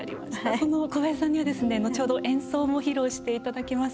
その小林さんには、後ほど演奏も披露していただきます。